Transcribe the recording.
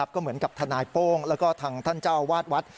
ก็เหมือนกับทนายโป้งแล้วก็ทางท่านเจ้าวาดวัด